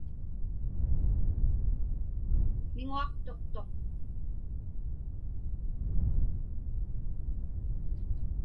Miŋuaqtuqtuq.